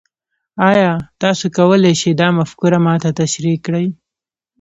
ایا تاسو کولی شئ دا مفکوره ما ته تشریح کړئ؟